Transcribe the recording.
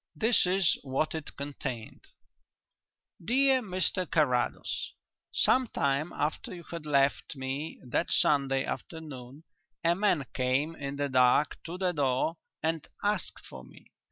This is what it contained: "DEAR MR CARRADOS, Some time after you had left me that Sunday afternoon, a man came in the dark to the door and asked for me.